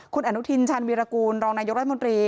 คุณอนุทินชาญวีรกูลรองนายกรัฐมนตรี